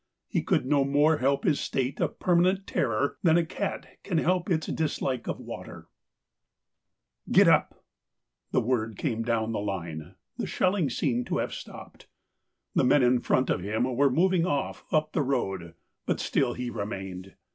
He could no more help his state of permanent terror, than a cat can help its dislike of water. THE COWARD 127 " Get up." The word came down the line, the shelling seemed to have stopped. The men in front of him were moving off up the road, but still he remained.